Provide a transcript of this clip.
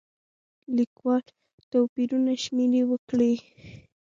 لیکوال توپیرونه شمېرې وکړي.